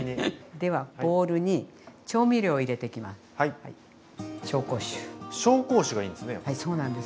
ではボウルに調味料を入れていきます。